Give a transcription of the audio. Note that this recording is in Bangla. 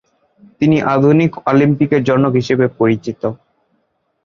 তিনি আধুনিক অলিম্পিকের জনক হিসেবে পরিচিত।